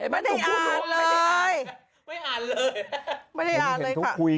ไม่อ่านเลย